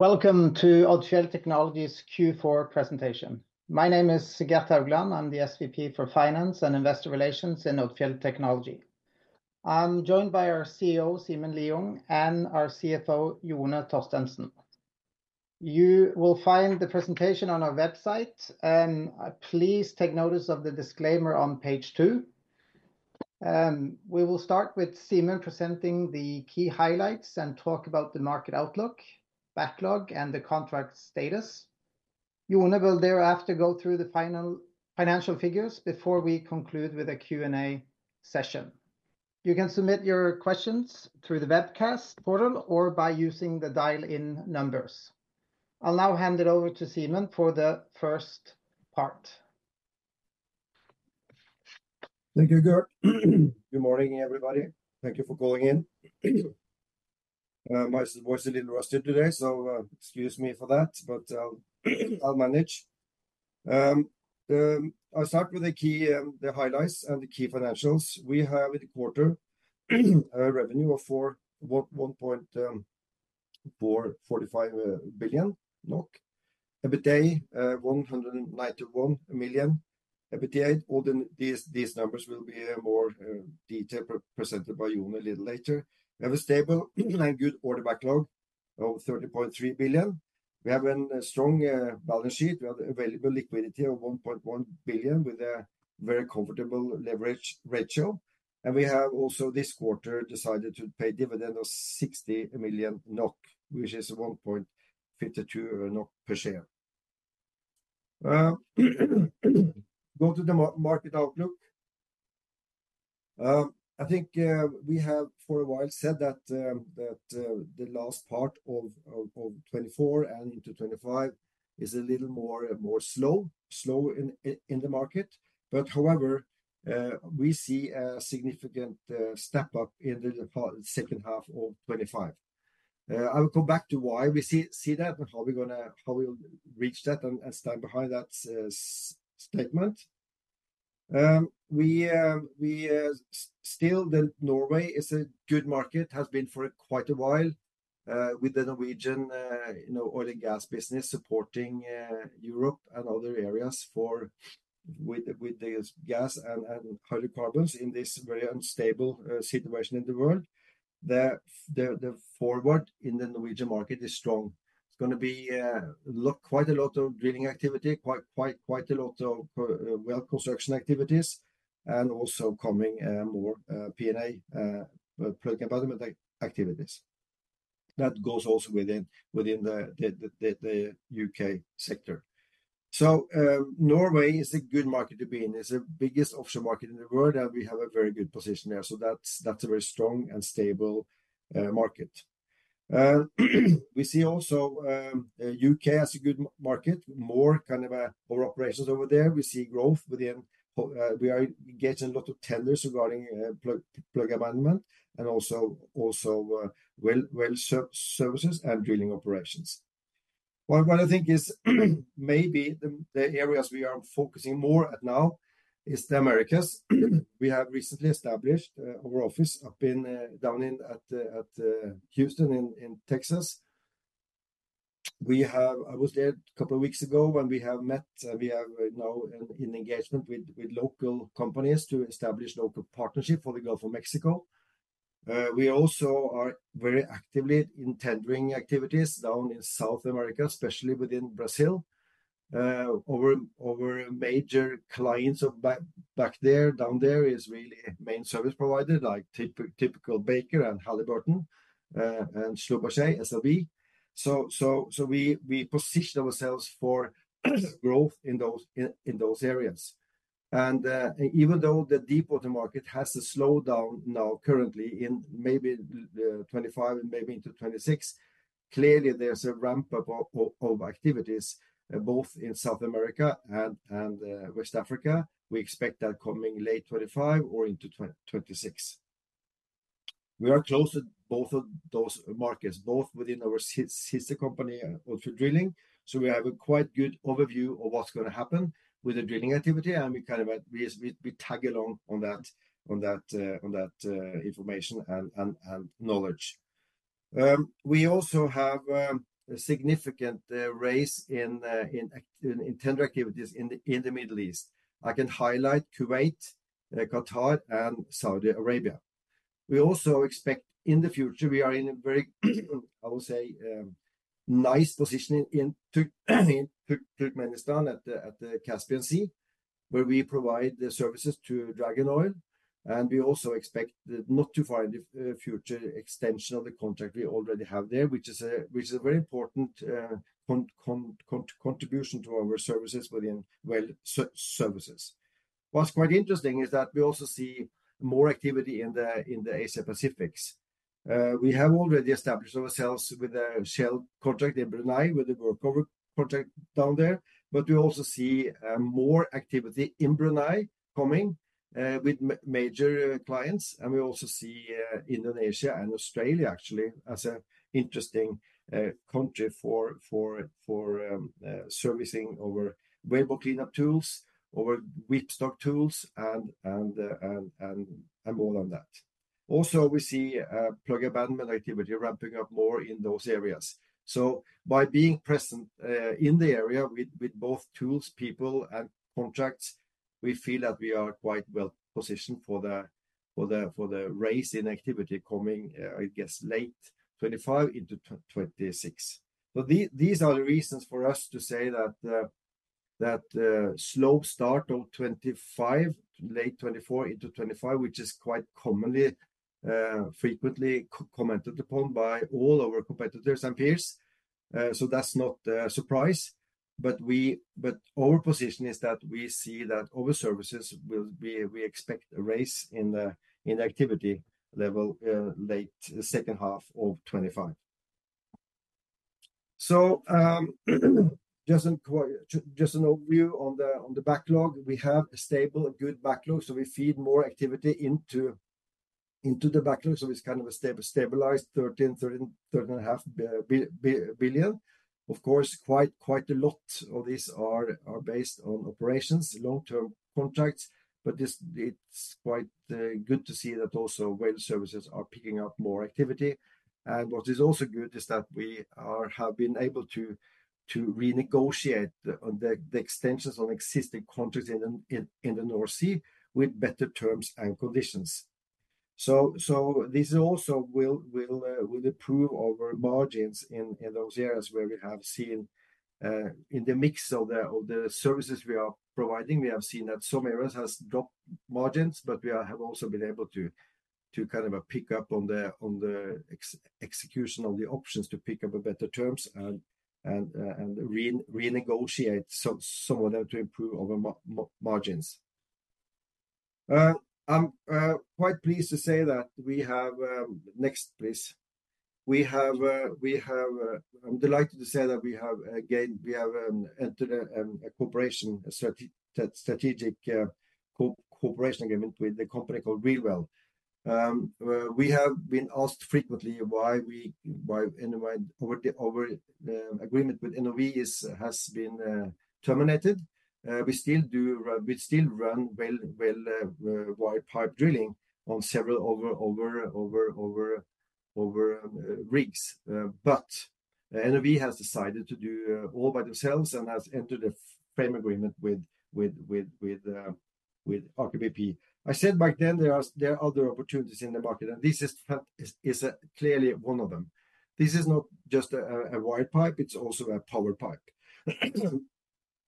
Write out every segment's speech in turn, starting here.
Welcome to Odfjell Technology's Q4 presentation. My name is Gert Haugland. I'm the SVP for Finance and Investor Relations in Odfjell Technology. I'm joined by our CEO, Simen Lieungh, and our CFO, Jone Torstensen. You will find the presentation on our website, and please take notice of the disclaimer on page two. We will start with Simen presenting the key highlights and talk about the market outlook, backlog, and the contract status. Jone will thereafter go through the final financial figures before we conclude with a Q&A session. You can submit your questions through the webcast portal or by using the dial-in numbers. I'll now hand it over to Simen for the first part. Thank you, Gert. Good morning, everybody. Thank you for calling in. Thank you. My voice is a little rusted today, so excuse me for that, but I'll manage. I'll start with the key highlights and the key financials. We have a quarter revenue of 1.45 billion, EBITDA 191 million. EBITDA, all these numbers will be more detailed presented by Jone a little later. We have a stable and good order backlog of 30.3 billion. We have a strong balance sheet. We have available liquidity of 1.1 billion with a very comfortable leverage ratio. We have also this quarter decided to pay dividend of 60 million NOK, which is 1.52 NOK per share. Go to the market outlook. I think we have for a while said that the last part of 2024 and into 2025 is a little more slow in the market. However, we see a significant step up in the second half of 2025. I will come back to why we see that and how we're going to reach that and stand behind that statement. Still, Norway is a good market, has been for quite a while, with the Norwegian oil and gas business supporting Europe and other areas with the gas and hydrocarbons in this very unstable situation in the world. The forward in the Norwegian market is strong. It's going to be quite a lot of drilling activity, quite a lot of well construction activities, and also coming more P&A project development activities. That goes also within the U.K. sector. Norway is a good market to be in. It's the biggest offshore market in the world, and we have a very good position there. That's a very strong and stable market. We see also the U.K. as a good market, more kind of our operations over there. We see growth within, we are getting a lot of tenders regarding project management and also well services and drilling operations. What I think is maybe the areas we are focusing more at now is the Americas. We have recently established our office down in Houston in Texas. I was there a couple of weeks ago when we have met, and we have now an engagement with local companies to establish local partnership for the Gulf of Mexico. We also are very actively in tendering activities down in South America, especially within Brazil. Our major clients back there down there is really main service providers like Baker Hughes and Halliburton and Schlumberger SLB. So we position ourselves for growth in those areas. Even though the deep water market has slowed down now currently in maybe 2025 and maybe into 2026, clearly there is a ramp-up of activities both in South America and West Africa. We expect that coming late 2025 or into 2026. We are close to both of those markets, both within our sister company, Odfjell Drilling. We have a quite good overview of what is going to happen with the drilling activity, and we kind of tag along on that information and knowledge. We also have a significant raise in tender activities in the Middle East. I can highlight Kuwait, Qatar, and Saudi Arabia. We also expect in the future we are in a very, I would say, nice position in Turkmenistan at the Caspian Sea, where we provide the services to Dragon Oil. We also expect not too far in the future extension of the contract we already have there, which is a very important contribution to our services within well services. What's quite interesting is that we also see more activity in the Asia-Pacific. We have already established ourselves with a Shell contract in Brunei with the workover contract down there, but we also see more activity in Brunei coming with major clients. We also see Indonesia and Australia, actually, as interesting countries for servicing over wellbore cleanup tools, over whipstock tools, and more than that. We see project management activity ramping up more in those areas. By being present in the area with both tools, people, and contracts, we feel that we are quite well positioned for the raise in activity coming, I guess, late 2025 into 2026. These are the reasons for us to say that slow start of 2025, late 2024 into 2025, which is quite commonly frequently commented upon by all our competitors and peers. That's not a surprise. Our position is that we see that our services will be we expect a raise in the activity level late second half of 2025. Just an overview on the backlog. We have a stable, good backlog. We feed more activity into the backlog. It's kind of a stabilized 13 billion-13.5 billion. Of course, quite a lot of these are based on operations, long-term contracts. It's quite good to see that also well services are picking up more activity. What is also good is that we have been able to renegotiate the extensions on existing contracts in the North Sea with better terms and conditions. This also will improve our margins in those areas where we have seen in the mix of the services we are providing. We have seen that some areas have dropped margins, but we have also been able to kind of pick up on the execution of the options to pick up better terms and renegotiate some of them to improve our margins. I'm quite pleased to say that we have, next, please. I'm delighted to say that we have, again, we have entered a strategic cooperation agreement with a company called Reelwell. We have been asked frequently why our agreement with NOV has been terminated. We still run wired pipe drilling on several rigs, but NOV has decided to do all by themselves and has entered a frame agreement with Aker BP. I said back then there are other opportunities in the market, and this is clearly one of them. This is not just a wired pipe. It's also a power pipe.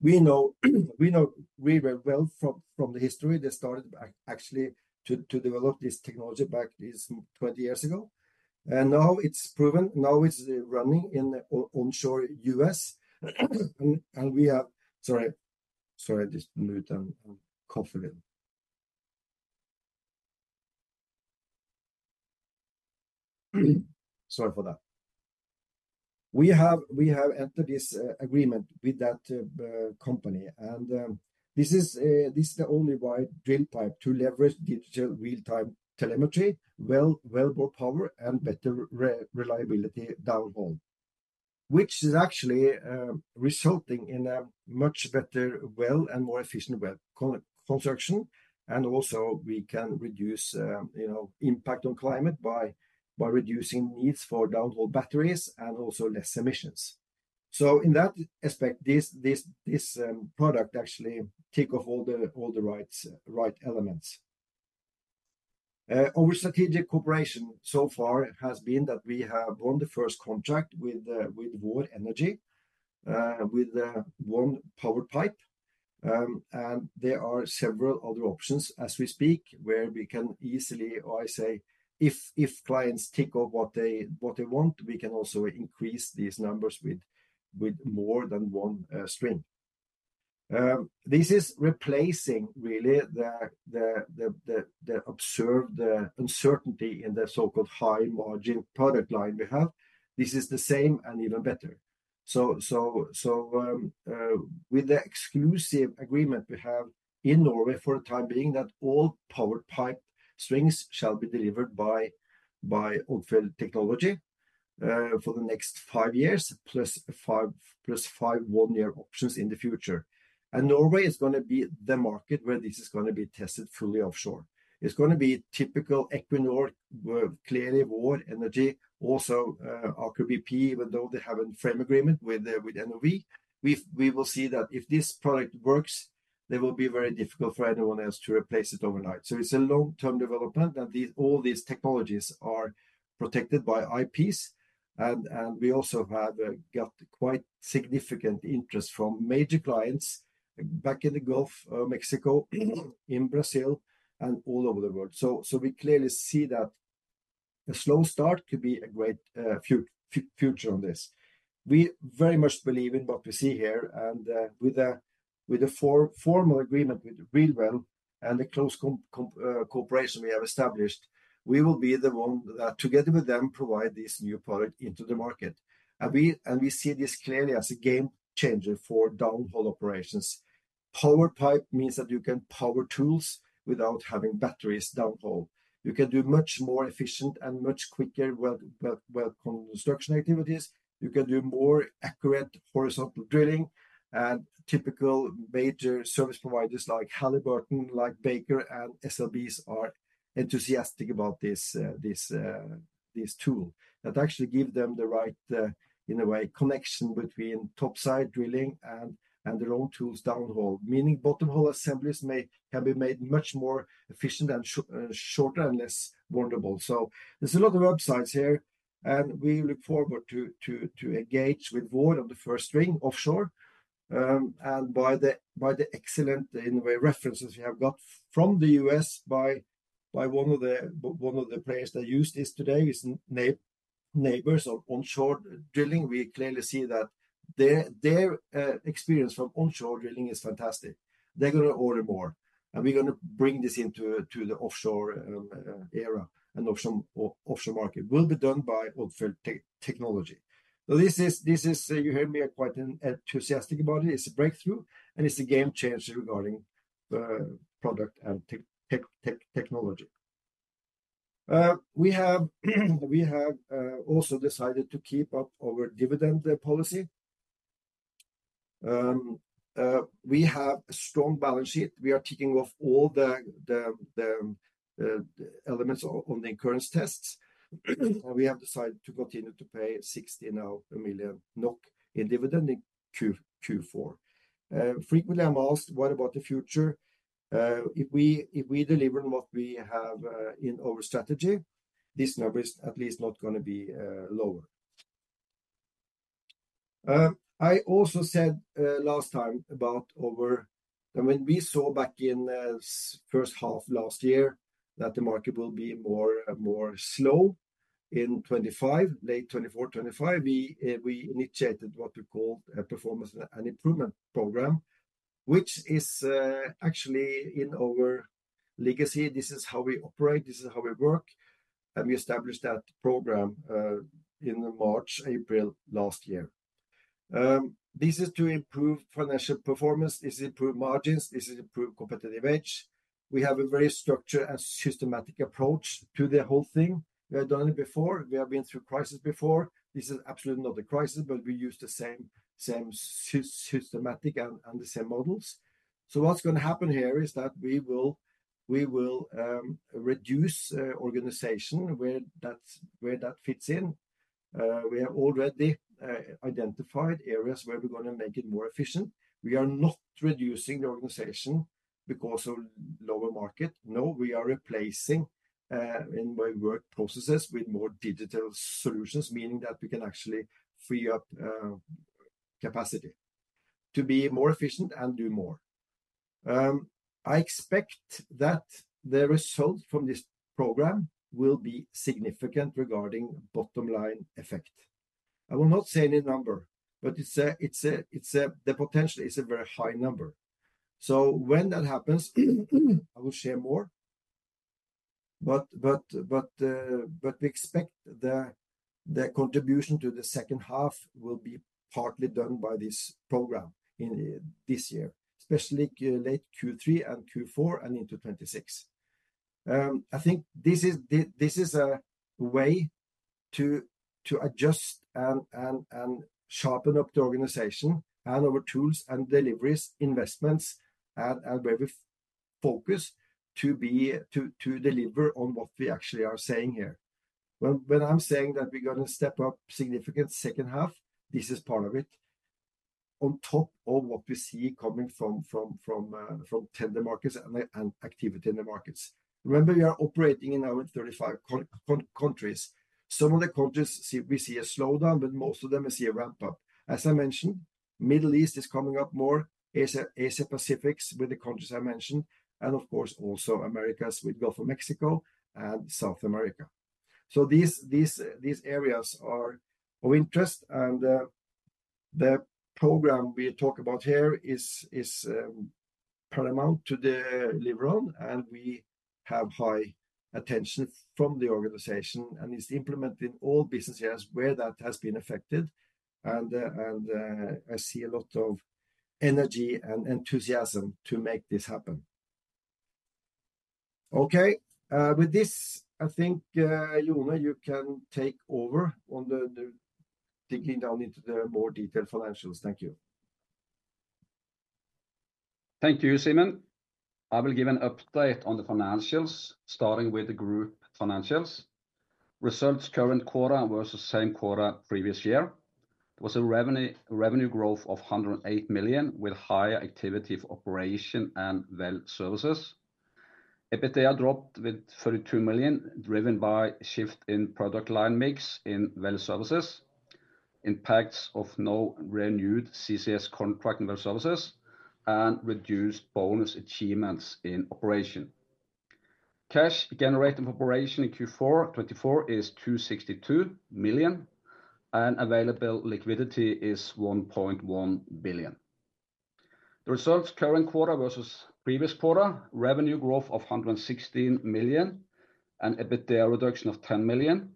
We know Reelwell from the history they started actually to develop this technology back 20 years ago. And now it's proven. Now it's running in the onshore U.S. We have, sorry, just mute and cough a little. Sorry for that. We have entered this agreement with that company. This is the only wired drill pipe to leverage digital real-time telemetry, wellbore power, and better reliability downhole, which is actually resulting in a much better well and more efficient well construction. Also, we can reduce impact on climate by reducing needs for downhole batteries and also less emissions. In that aspect, this product actually tick off all the right elements. Our strategic cooperation so far has been that we have won the first contract with Vår Energi with one power pipe. There are several other options as we speak where we can easily, I say, if clients tick off what they want, we can also increase these numbers with more than one string. This is replacing really the observed uncertainty in the so-called high margin product line we have. This is the same and even better. With the exclusive agreement we have in Norway for the time being that all power pipe strings shall be delivered by Odfjell Technology for the next five years, plus five one-year options in the future. Norway is going to be the market where this is going to be tested fully offshore. It is going to be typical Equinor, clearly Vår Energi, also Aker BP, even though they have a frame agreement with NOV. We will see that if this product works, it will be very difficult for anyone else to replace it overnight. It is a long-term development that all these technologies are protected by IPs. We also have got quite significant interest from major clients back in the Gulf of Mexico, in Brazil, and all over the world. We clearly see that a slow start could be a great future on this. We very much believe in what we see here. With the formal agreement with Reelwell and the close cooperation we have established, we will be the one that together with them provide this new product into the market. We see this clearly as a game changer for downfall operations. Power Pipe means that you can power tools without having batteries downfall. You can do much more efficient and much quicker well construction activities. You can do more accurate horizontal drilling. Typical major service providers like Halliburton, like Baker, and SLB are enthusiastic about this tool that actually gives them the right, in a way, connection between topside drilling and their own tools downhole, meaning bottom hole assemblies can be made much more efficient and shorter and less vulnerable. There is a lot of upsides here. We look forward to engage with Vår Energi on the first string offshore. By the excellent, in a way, references we have got from the U.S., by one of the players that use this today, Nabors onshore drilling, we clearly see that their experience from onshore drilling is fantastic. They are going to order more. We are going to bring this into the offshore era and offshore market. It will be done by Odfjell Technology. You hear me are quite enthusiastic about it. It is a breakthrough. It is a game changer regarding product and technology. We have also decided to keep up our dividend policy. We have a strong balance sheet. We are ticking off all the elements on the incurrence tests. We have decided to continue to pay 60 million NOK in dividend in Q4. Frequently, I am asked, what about the future? If we deliver on what we have in our strategy, this number is at least not going to be lower. I also said last time about our, when we saw back in the first half last year that the market will be more slow in 2025, late 2024, 2025, we initiated what we called a performance and improvement program, which is actually in our legacy. This is how we operate. This is how we work. We established that program in March, April last year. This is to improve financial performance. This is to improve margins. This is to improve competitive edge. We have a very structured and systematic approach to the whole thing. We have done it before. We have been through crisis before. This is absolutely not a crisis, but we use the same systematic and the same models. What is going to happen here is that we will reduce organization where that fits in. We have already identified areas where we're going to make it more efficient. We are not reducing the organization because of lower market. No, we are replacing in my work processes with more digital solutions, meaning that we can actually free up capacity to be more efficient and do more. I expect that the result from this program will be significant regarding bottom line effect. I will not say any number, but potentially it's a very high number. When that happens, I will share more. We expect the contribution to the second half will be partly done by this program this year, especially late Q3 and Q4 and into 2026. I think this is a way to adjust and sharpen up the organization and our tools and deliveries, investments, and where we focus to deliver on what we actually are saying here. When I'm saying that we're going to step up significant second half, this is part of it. On top of what we see coming from tender markets and activity in the markets. Remember, we are operating in our 35 countries. Some of the countries we see a slowdown, but most of them we see a ramp up. As I mentioned, Middle East is coming up more, Asia-Pacifics with the countries I mentioned, and of course also Americas with Gulf of Mexico and South America. These areas are of interest. The program we talk about here is paramount to the live-on, and we have high attention from the organization, and it is implemented in all business areas where that has been affected. I see a lot of energy and enthusiasm to make this happen. Okay, with this, I think, Jone, you can take over on digging down into the more detailed financials. Thank you. Thank you, Simen. I will give an update on the financials, starting with the group financials. Results current quarter versus same quarter previous year. There was a revenue growth of 108 million with higher activity for operation and well services. EBITDA dropped with 32 million, driven by shift in product line mix in well services, impacts of no renewed CCS contract in well services, and reduced bonus achievements in operation. Cash generated in operation in Q4 2024 is 262 million, and available liquidity is 1.1 billion. The results current quarter versus previous quarter, revenue growth of 116 million, and EBITDA reduction of 10 million.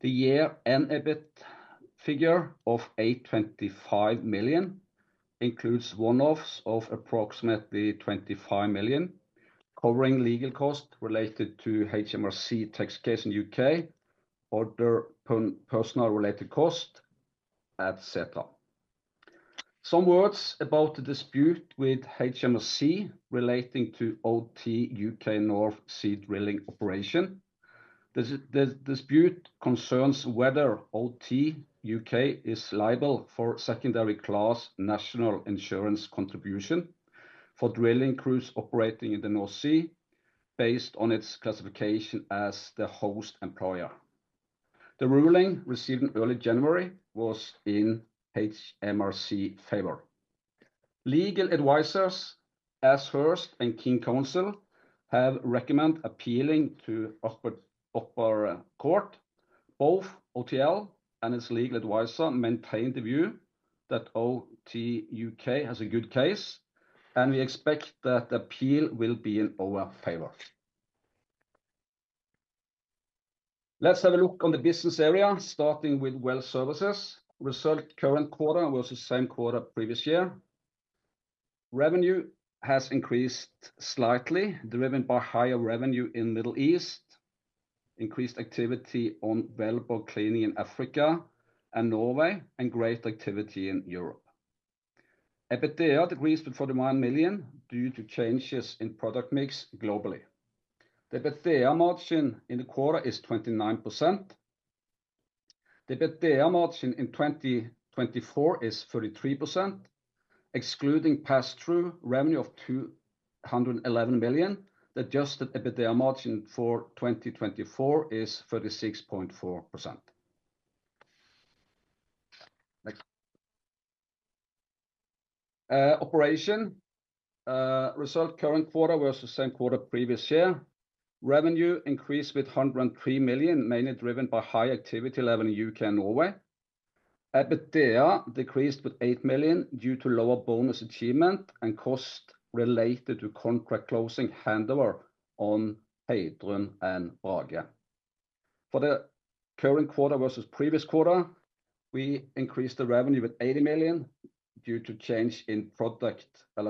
The year-end EBIT figure of 825 million includes one-offs of approximately 25 million, covering legal costs related to HMRC tax case in the U.K., other personal related costs, etc. Some words about the dispute with HMRC relating to OT U.K. North Sea drilling operation. The dispute concerns whether OT U.K. is liable for secondary class national insurance contribution for drilling crews operating in the North Sea based on its classification as the host employer. The ruling received in early January was in HMRC favor. Legal advisors Ashurst and King's Counsel have recommended appealing to Upper Court. Both OTL and its legal advisor maintained the view that OT U.K. has a good case, and we expect that the appeal will be in our favor. Let's have a look on the business area, starting with well services. Result current quarter was the same quarter previous year. Revenue has increased slightly, driven by higher revenue in Middle East, increased activity on wellbore cleaning in Africa and Norway, and greater activity in Europe. EBITDA decreased to 41 million due to changes in product mix globally. The EBITDA margin in the quarter is 29%. The EBITDA margin in 2024 is 33%. Excluding pass-through revenue of 211 million, the adjusted EBITDA margin for 2024 is 36.4%. Operation result current quarter was the same quarter previous year. Revenue increased with 103 million, mainly driven by high activity level in U.K. and Norway. EBITDA decreased with 8 million due to lower bonus achievement and cost related to contract closing handover on Heidrun and Brage. For the current quarter versus previous quarter, we increased the revenue with 80 million due to change in product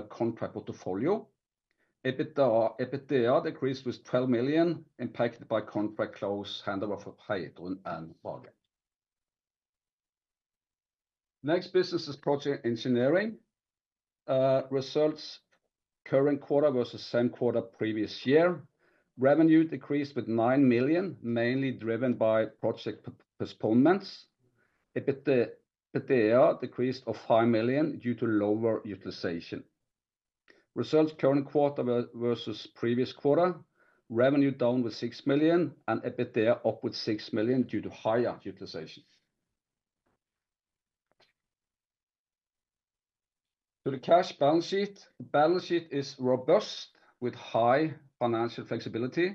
contract portfolio. EBITDA decreased with 12 million, impacted by contract close handover for Heidrun and Brage. Next business is project engineering. Results current quarter versus same quarter previous year. Revenue decreased with 9 million, mainly driven by project postponements. EBITDA decreased of 5 million due to lower utilization. Results current quarter versus previous quarter. Revenue down with 6 million and EBITDA up with 6 million due to higher utilization. To the cash balance sheet, the balance sheet is robust with high financial flexibility.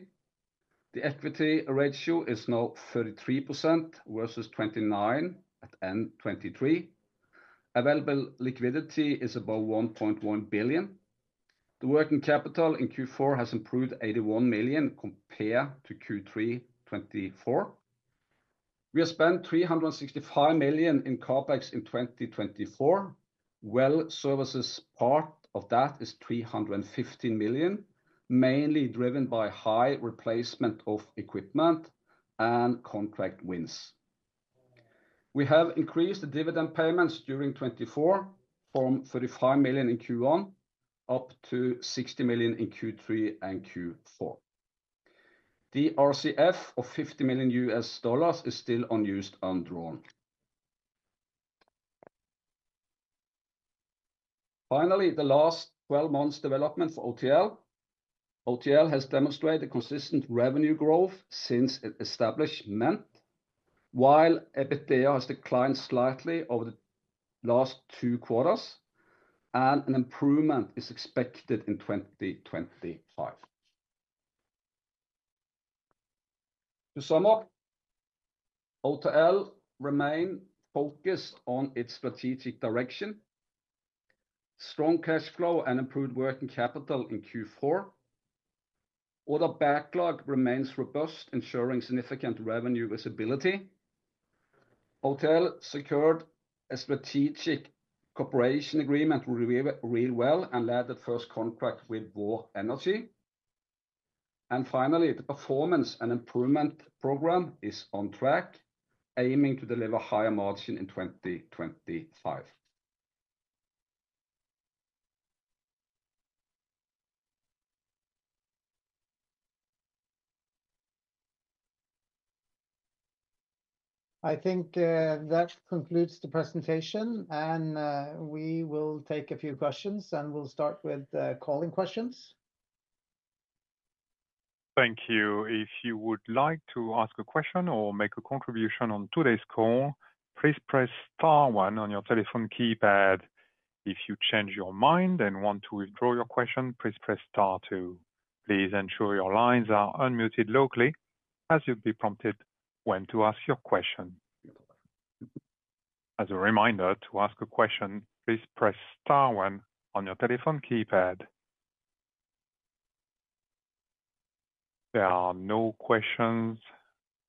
The equity ratio is now 33% versus 29% at end 2023. Available liquidity is above 1.1 billion. The working capital in Q4 has improved 81 million compared to Q3 2024. We have spent 365 million in CapEx in 2024. Well services part of that is 315 million, mainly driven by high replacement of equipment and contract wins. We have increased the dividend payments during 2024 from 35 million in Q1 up to 60 million in Q3 and Q4. The RCF of $50 million is still unused and undrawn. Finally, the last 12 months development for Odfjell Technology. Odfjell Technology has demonstrated a consistent revenue growth since its establishment, while EBITDA has declined slightly over the last two quarters, and an improvement is expected in 2025. To sum up, Odfjell Technology remains focused on its strategic direction, strong cash flow, and improved working capital in Q4. Order backlog remains robust, ensuring significant revenue visibility. Odfjell Technology secured a strategic cooperation agreement with Reelwell and landed first contract with Vår Energi. Finally, the performance and improvement program is on track, aiming to deliver higher margin in 2025. I think that concludes the presentation, and we will take a few questions, and we'll start with calling questions. Thank you. If you would like to ask a question or make a contribution on today's call, please press star one on your telephone keypad. If you change your mind and want to withdraw your question, please press star two. Please ensure your lines are unmuted locally as you'll be prompted when to ask your question. As a reminder, to ask a question, please press star one on your telephone keypad. There are no questions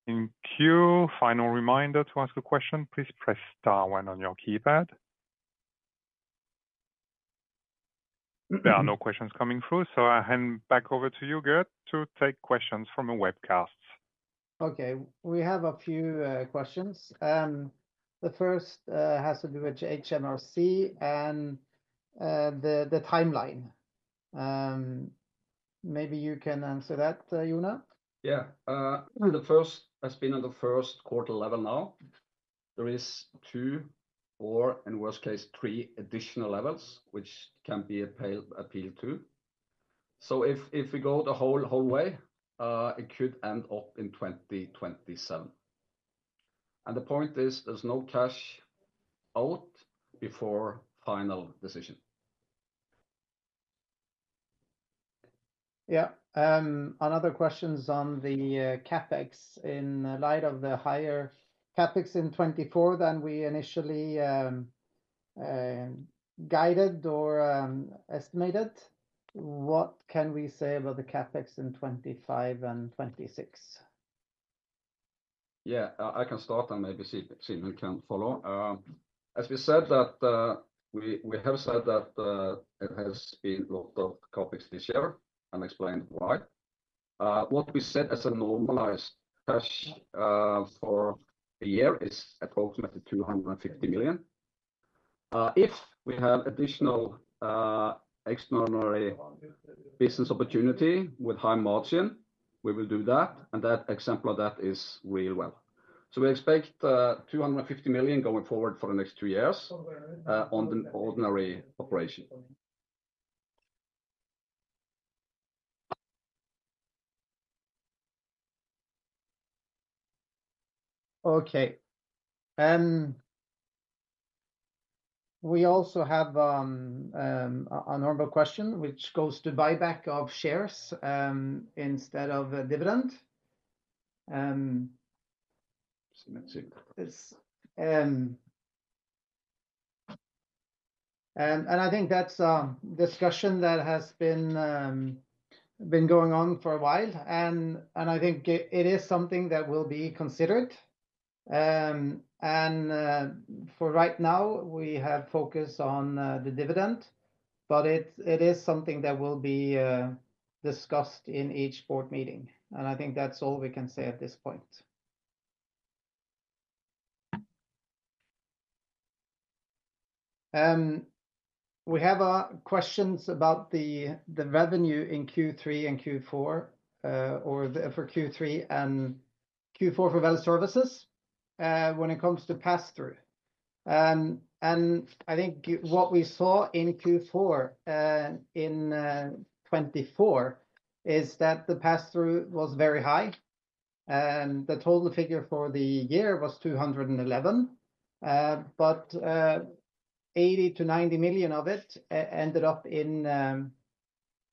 in queue. Final reminder to ask a question, please press star one on your keypad. There are no questions coming through, so I hand back over to you, Gert, to take questions from the webcasts. Okay, we have a few questions. The first has to do with HMRC and the timeline. Maybe you can answer that, Jone? Yeah. The first has been at the first quarter level now. There is two, four, and worst case three additional levels, which can be appealed to. If we go the whole way, it could end up in 2027. The point is there's no cash out before final decision. Yeah, another question is on the CapEx in light of the higher CapEx in 2024 than we initially guided or estimated. What can we say about the CapEx in 2025 and 2026? Yeah, I can start and maybe Simen can follow. As we said that we have said that it has been a lot of CapEx this year. I'll explain why. What we said as a normalized cash for the year is approximately 250 million. If we have additional extraordinary business opportunity with high margin, we will do that. That example of that is Reelwell. We expect 250 million going forward for the next two years on the ordinary operation. We also have a normal question, which goes to buyback of shares instead of a dividend. Let's see. I think that's a discussion that has been going on for a while. I think it is something that will be considered. For right now, we have focused on the dividend, but it is something that will be discussed in each board meeting. I think that's all we can say at this point. We have questions about the revenue in Q3 and Q4, or for Q3 and Q4 for well services when it comes to pass-through. I think what we saw in Q4 in 2024 is that the pass-through was very high. The total figure for the year was 211 million, but 80 million-90 million of it ended up in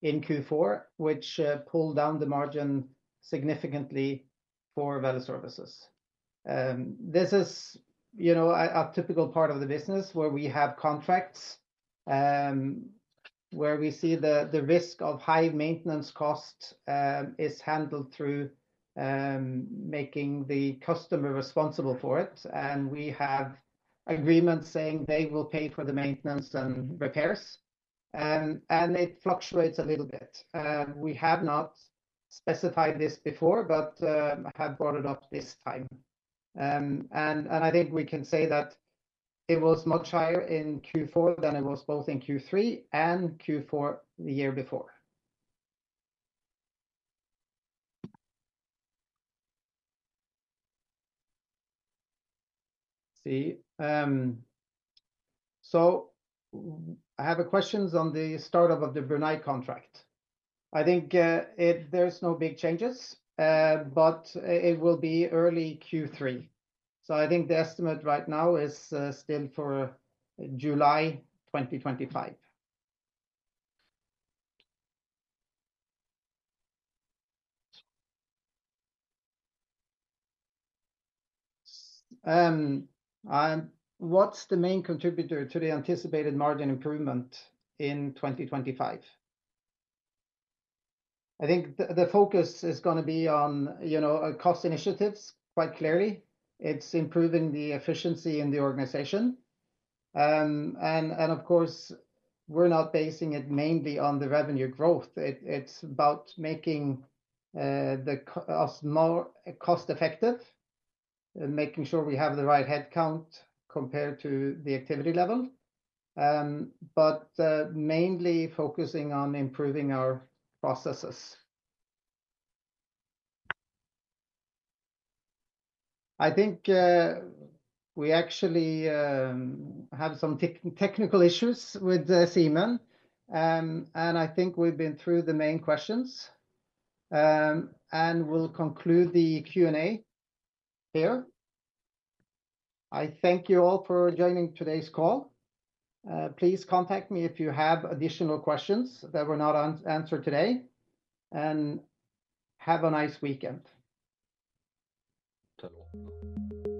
Q4, which pulled down the margin significantly for well services. This is a typical part of the business where we have contracts, where we see the risk of high maintenance costs is handled through making the customer responsible for it. We have agreements saying they will pay for the maintenance and repairs. It fluctuates a little bit. We have not specified this before, but I have brought it up this time. I think we can say that it was much higher in Q4 than it was both in Q3 and Q4 the year before. I have questions on the startup of the Brunei contract. I think there's no big changes, but it will be early Q3. I think the estimate right now is still for July 2025. What's the main contributor to the anticipated margin improvement in 2025? I think the focus is going to be on cost initiatives, quite clearly. It's improving the efficiency in the organization. Of course, we're not basing it mainly on the revenue growth. It's about making the cost more cost-effective, making sure we have the right headcount compared to the activity level, but mainly focusing on improving our processes. I think we actually have some technical issues with Simen, and I think we've been through the main questions. We'll conclude the Q&A here. I thank you all for joining today's call. Please contact me if you have additional questions that were not answered today. Have a nice weekend.